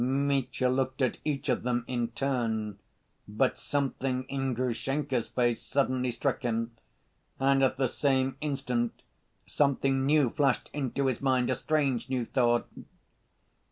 Mitya looked at each of them in turn. But something in Grushenka's face suddenly struck him, and at the same instant something new flashed into his mind—a strange new thought!